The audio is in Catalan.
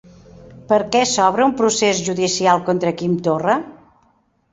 Per què s'obre un procés judicial contra Quim Torra?